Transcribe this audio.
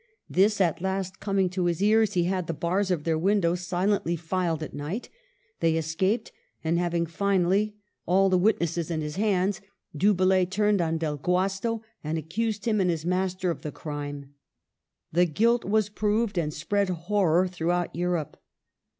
This at last coming to his ears, he had the bars of their windows silently filed at night. They escaped ; and having, finally, all the witnesses in his hands, Du Bellay turned on Del Guasto and accused him and his master of the crime. Their guilt was proved, and spread horror throughout Europe.